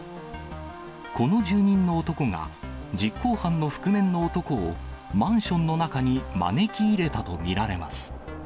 この住人の男が、実行犯の覆面の男をマンションの中に招き入れたと見られます。